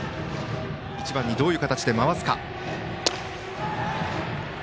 １番にどういう形で回すか。